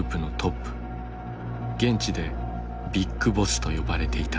現地でビッグボスと呼ばれていた。